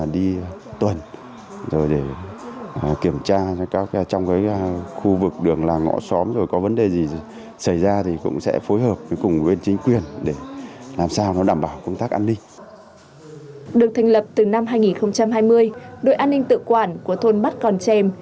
được thành lập từ năm hai nghìn hai mươi đội an ninh tự quản của thôn bát còn chèm